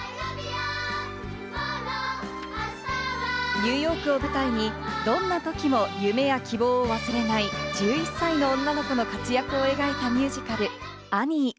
ニューヨークを舞台にどんなときも夢や希望を忘れない１１歳の女の子の活躍を描いたミュージカル、『アニー』。